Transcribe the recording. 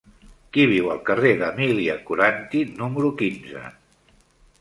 Qui viu al carrer d'Emília Coranty número quinze?